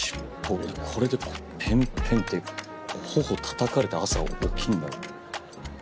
これでペンペンって頬たたかれて朝起きんだ。